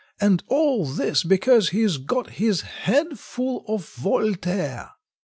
And all this because he's got his head full of Voltaire."